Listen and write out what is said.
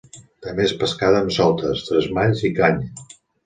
També és pescada amb soltes, tresmalls i canya.